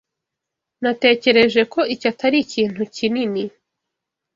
Natekereje ko iki atari ikintu kinini.